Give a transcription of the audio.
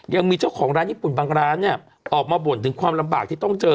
ยังมีเจ้าของร้านญี่ปุ่นบางร้านเนี่ยออกมาบ่นถึงความลำบากที่ต้องเจอ